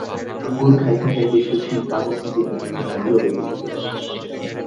আঙুর খাইতে খাইতে শশী পাগলদিদির মুখখানা নীরবে দেখিতে থাকে।